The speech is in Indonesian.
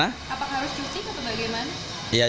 apakah harus cuci atau bagaimana